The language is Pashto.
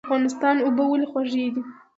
د افغانستان اوبه ولې خوږې دي؟